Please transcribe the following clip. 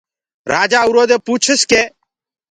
رآجآ اُرو دي پوڇس ڪي